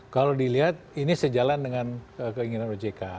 kalau dilihat ini sejalan dengan keinginan ojk